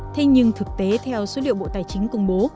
thế nhưng thực tế theo số liệu bộ tài chính công bố